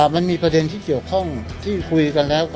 มันมีประเด็นที่เกี่ยวข้องที่คุยกันแล้ว